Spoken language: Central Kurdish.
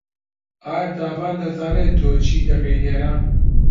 ئایا دابان دەزانێت تۆ چی دەکەیت لێرە؟